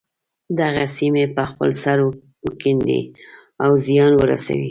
دغه سیمې په خپل سر وکیندي او زیان ورسوي.